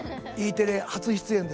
テレ初出演です。